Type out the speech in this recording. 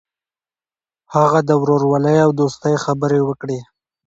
هغه د ورورولۍ او دوستۍ خبرې وکړې.